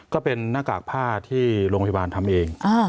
ก็เป็นหน้ากากผ้าที่โรงพยาบาลทำเอง